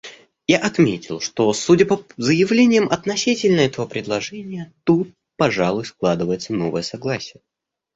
Я отметил, что, судя по заявлениям относительно этого предложения, тут, пожалуй, складывается новое согласие.